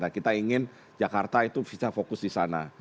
kita ingin jakarta itu bisa fokus di sana